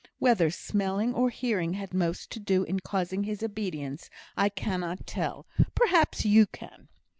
Whether smelling or hearing had most to do in causing his obedience, I cannot tell; perhaps you can.